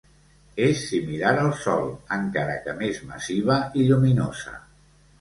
És similar al Sol, encara que més massiva i lluminosa.